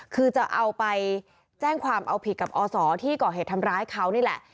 คือจะเอาไปแจ้งความเอาผิดกับอศที่ก่อเหตุทำร้ายเขานี่แหละ